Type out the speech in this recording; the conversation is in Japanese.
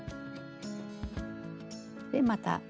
でまた。